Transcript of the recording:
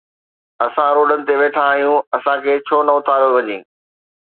اسان روڊن تي ويٺا آهيون، اسان کي ڇو نه اٿاريو وڃي؟